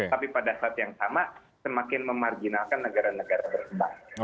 tapi pada saat yang sama semakin memarginalkan negara negara berkembang